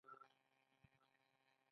لاسونه مې دعا ته لپه کړل.